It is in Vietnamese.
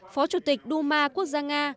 phó chủ tịch duma quốc gia nga